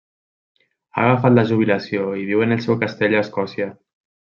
Ha agafat la jubilació i viu en el seu castell a Escòcia.